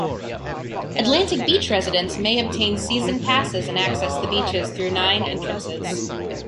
Atlantic Beach residents may obtain season passes and access the beaches through nine entrances.